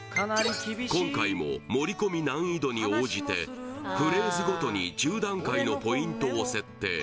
今回も盛り込み難易度に応じてフレーズごとに１０段階のポイントを設定